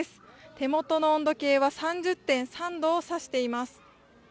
手元の温度計は３０．３度を指しています。